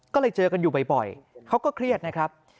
ก็เลยเจอกันอยู่บ่อยเขาก็เครียดนะครับ